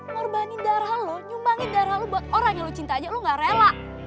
ngorbanin darah lo nyumbangin darah lo buat orang yang lu cinta aja lo gak rela